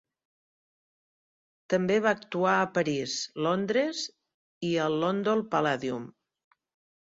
També va actuar a París, Londres i al London Palladium.